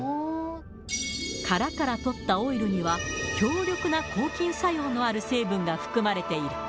殻から取ったオイルには、強力な抗菌作用のある成分が含まれている。